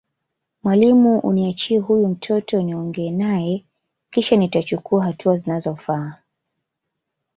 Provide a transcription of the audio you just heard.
mwalimu uniachie huyu mtoto niongea naye kisha nitachukua hatua zinazofaa